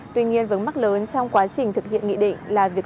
tuy nhiên vấn mắc lớn trong quá trình thực hiện nghị định là việc